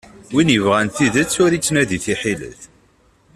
Win ibɣan tidet, ur ittnadi tiḥilet.